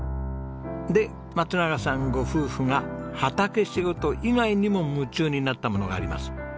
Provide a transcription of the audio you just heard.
で松永さんご夫婦が畑仕事以外にも夢中になったものがあります。